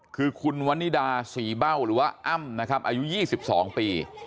คือคุณวันนิดาศรีเบ้าหรือว่าอ้ำนะครับอายุ๒๒ปี